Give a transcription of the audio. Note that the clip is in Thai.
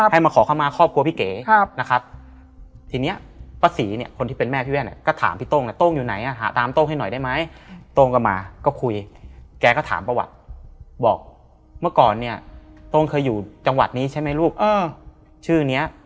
ให้มาขอเข้ามาครอบครัวพี่เก๋นะครับทีนี้ประศรีเนี่ยคนที่เป็นแม่พี่แว่น